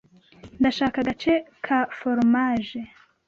Ndashaka agace ka foromaje.